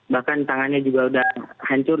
bahkan tangannya juga sudah hancur